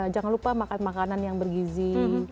jangan lupa makan makanan yang bergizi